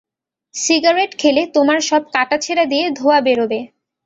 Cigarette খেলে তোমার সব কাটা ছেড়া দিয়ে ধোয়া বেড়োবে।